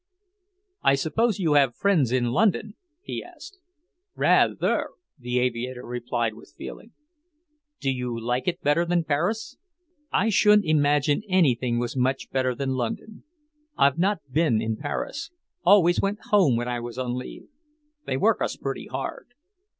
"I suppose you have friends in London?" he asked. "Rather!" the aviator replied with feeling. "Do you like it better than Paris?" "I shouldn't imagine anything was much better than London. I've not been in Paris; always went home when I was on leave. They work us pretty hard.